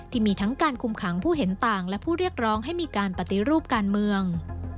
ที่มีทั้งการคุมขังผู้เห็นต่างและผู้เรียกร้องให้มีการปฏิรูปการเมือง